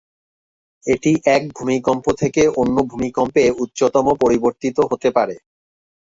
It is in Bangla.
এটি এক ভূমিকম্প থেকে অন্য ভূমিকম্পে উচ্চতম পরিবর্তিত হতে পারে।